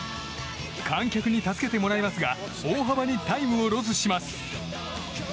観客に助けてもらいますが大幅にタイムをロスします。